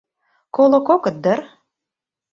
— Коло кокыт дыр?